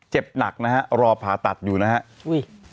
เจ็บหนักนะฮะรอผ่าตัดอยู่นะฮะอุ้ย